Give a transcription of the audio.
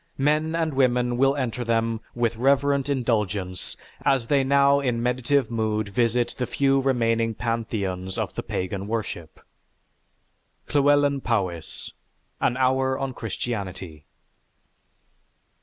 Men and women will enter them with reverent indulgence as they now in meditative mood visit the few remaining pantheons of the pagan worship." (Llewelyn Powys: "_An Hour On Christianity.